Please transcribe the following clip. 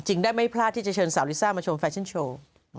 ได้ไม่พลาดที่จะเชิญสาวลิซ่ามาโชว์แฟชั่นโชว์